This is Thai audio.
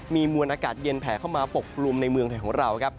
มีมวลอากาศเย็นแผ่เข้ามาปกกลุ่มในเมืองไทยของเราครับ